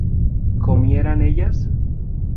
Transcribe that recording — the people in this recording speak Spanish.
¿comieran ellas?